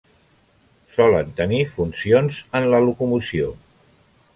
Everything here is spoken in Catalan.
Solen tenir funcions en la locomoció.